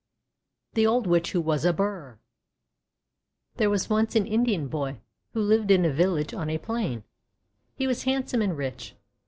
THE OLD WITCH WHO WAS A BURR Skidi Pawnee Tale THERE was once an Indian boy who lived in a village on a plain. He was handsome and rich.